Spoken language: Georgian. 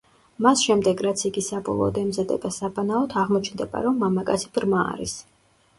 მას შემდეგ, რაც იგი საბოლოოდ ემზადება საბანაოდ, აღმოჩნდება, რომ მამაკაცი ბრმა არის.